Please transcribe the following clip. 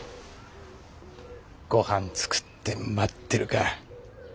ごはん作って待ってるか。